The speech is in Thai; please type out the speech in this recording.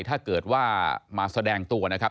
ถ้าเกิดว่ามาแสดงตัวนะครับ